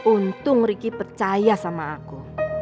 untung ricky percaya sama aku